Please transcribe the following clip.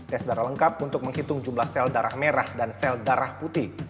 tes darah lengkap untuk menghitung jumlah sel darah merah dan sel darah putih